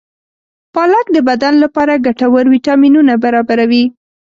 پالک د بدن لپاره ګټور ویټامینونه برابروي.